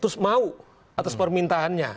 terus mau atas permintaannya